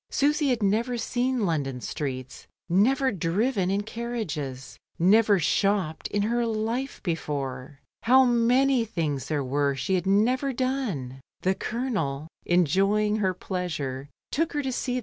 Susy had never seen London streets, never driven in carriages, never shopped in her life before. How many things there were she had never done! The Colonel, enjoying her pleasure, took her to se^.